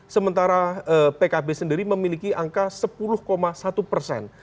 sementara pkb sendiri memiliki angka sepuluh satu persen